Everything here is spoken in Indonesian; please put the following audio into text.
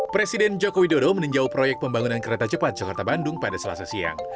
presiden joko widodo meninjau proyek pembangunan kereta cepat jakarta bandung pada selasa siang